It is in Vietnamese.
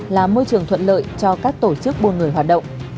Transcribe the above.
là môi trường thuận lợi cho các tổ chức buôn người hoạt động